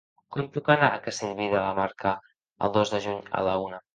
Com puc anar a Castellví de la Marca el dos de juny a la una?